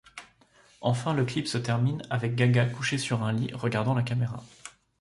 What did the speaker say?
Enfin, le clip se termine avec Gaga couchée sur un lit, regardant la caméra.